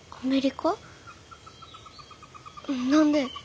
何で？